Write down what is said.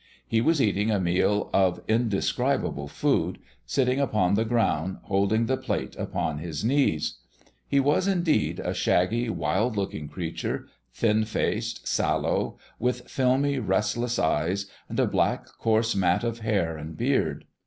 He was eating a meal of indescribable food, sitting upon the ground, holding the plate upon his knees. He was, indeed, a shaggy, wild looking figure, thin faced, sallow, with filmy, restless eyes and a black, coarse mat of hair and beard.